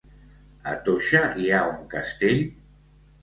A Toixa hi ha un castell?